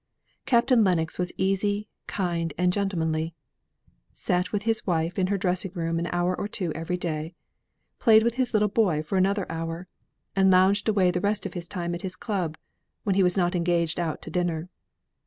Captain Lennox was easy, kind, and gentlemanly; sate with his wife in her dressing room an hour or two every day; played with his little boy for another hour, and lounged away the rest of his time at his club, when he was not engaged out to dinner.